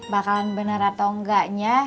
bakalan bener atau enggaknya